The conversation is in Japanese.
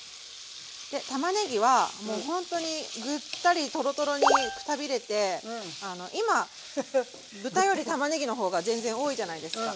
でたまねぎはもうほんとにグッタリトロトロにくたびれてあの今豚よりたまねぎの方が全然多いじゃないですか。